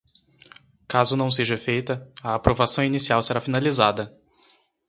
Caso não seja feita, a aprovação inicial será finalizada.